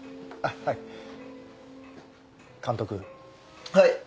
あっはい。